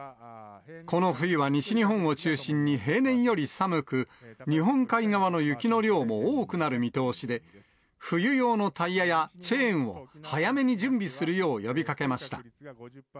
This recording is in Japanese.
この冬は西日本を中心に平年より寒く、日本海側の雪の量も多くなる見通しで、冬用のタイヤやチェーンを早めに準備するよう呼びかけました。